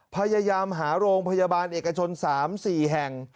พยายามหาโรงพยาบาลเอกชน๓๔แห่ง